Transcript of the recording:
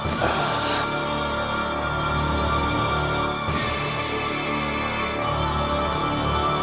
saya tcut saya sangat dihantarpu